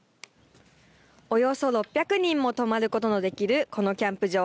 およそ６００人もとまることのできるこのキャンプ場。